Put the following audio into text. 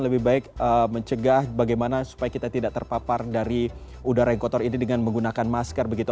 lebih baik mencegah bagaimana supaya kita tidak terpapar dari udara yang kotor ini dengan menggunakan masker begitu